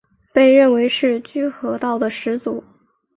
被认为是居合道的始祖。